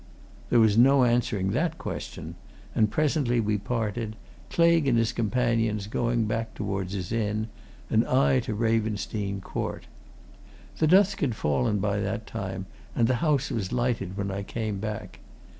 There was no answering that question, and presently we parted, Claigue and his companion going back towards his inn, and I to Ravensdene Court. The dusk had fallen by that time, and the house was lighted when I came back.